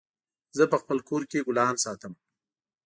زه په خپل کور کي ګلان ساتم